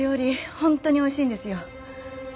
本当においしいんですよ。